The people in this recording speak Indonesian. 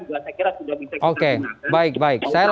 saya kira sudah bisa dikawal